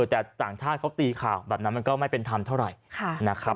แต่ต่างชาติเขาตีข่าวแบบนั้นมันก็ไม่เป็นธรรมเท่าไหร่นะครับ